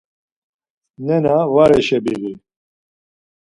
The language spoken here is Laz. Nena var eşebiği.